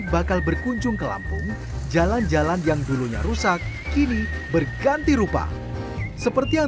bakal berkunjung ke lampung jalan jalan yang dulunya rusak kini berganti rupa seperti yang